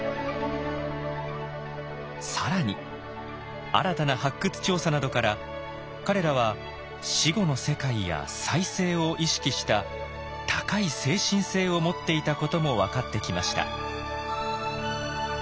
更に新たな発掘調査などから彼らは「死後の世界」や「再生」を意識した高い精神性を持っていたことも分かってきました。